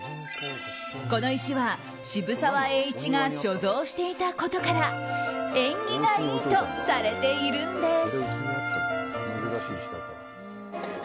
この石は渋沢栄一が所蔵していたことから縁起が良いとされているんです。